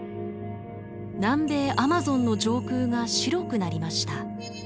南米アマゾンの上空が白くなりました。